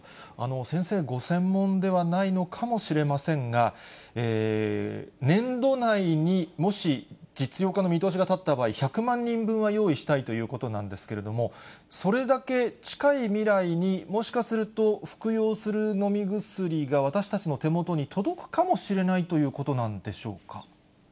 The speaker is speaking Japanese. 先生、ご専門ではないのかもしれませんが、年度内にもし実用化の見通しが立った場合、１００万人分は用意したいということなんですけれども、それだけ近い未来にもしかすると、服用する飲み薬が私たちの手元に届くかもしれないということなんでしょうか。